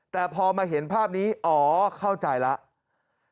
แต่พอมาเห็นภาพนี้อ๋อเข้าใจแล้ว